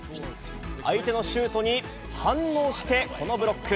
相手のシュートに反応して、このブロック。